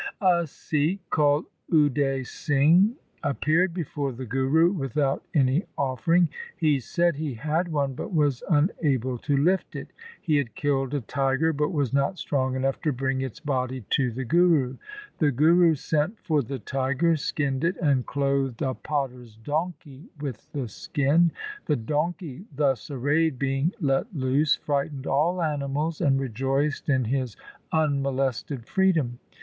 A Sikh called Ude Singh appeared before the Guru without any offering. He said he had one, but was unable to lift it. He had killed a tiger, but was not strong enough to bring its body to the Guru. The Guru sent for the tiger, skinned it, and clothed a potter's donkey with the skin. The donkey thus arrayed being let loose frightened all animals and rejoiced in his unmolested freedom.